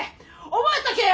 覚えとけよ！